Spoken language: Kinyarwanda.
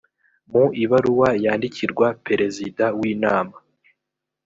mu ibaruwa yandikirwa perezida w inama